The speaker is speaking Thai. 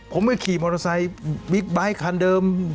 ผมก็ขี่มอเตอร์ไซค์บิ๊กไบท์คันเดิม